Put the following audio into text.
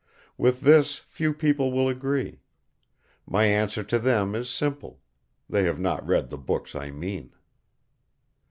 With this few people will agree. My answer to them is simple: they have not read the books I mean.